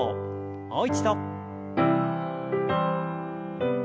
もう一度。